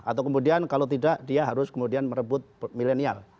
atau kemudian kalau tidak dia harus kemudian merebut milenial